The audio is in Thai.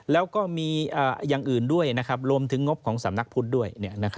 แล้วก็มีอย่างอื่นด้วยรวมถึงงบของสำนักพุทธด้วย